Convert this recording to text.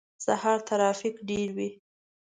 سهار ترافیک ډیر وی